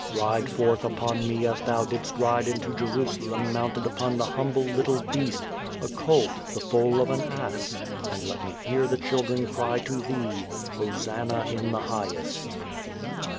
Ride forth upon me as Thou didst ride into Jerusalem mounted upon the humble little beast, a colt, the foal of an ass, and let me hear the children cry to Thee, "Hosanna in the highest."